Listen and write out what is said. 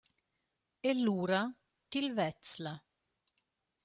E lura til vezz'la.